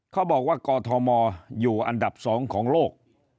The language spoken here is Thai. เขาบอกว่ากอทมอยู่อันดับ๒ของโลก